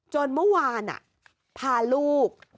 จนเมื่อวานน่ะพาลูก